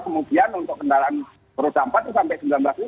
kemudian untuk kendaraan berudam empat sampai sembilan belas